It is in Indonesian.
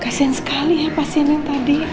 kasian sekali ya pasien yang tadi